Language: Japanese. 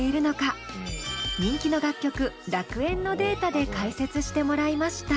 人気の楽曲「楽園」のデータで解説してもらいました。